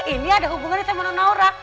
ini ada hubungannya sama non aura